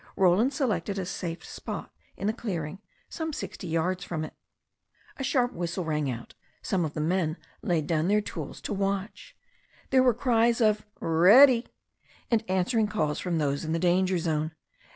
Roland selected a safe spot in the clearing, some sixty yards from it. A sharp whistle rang out. Some of the men laid down their tools to watch. There were cries of "Ready," and an swering calls from those in the danger zone.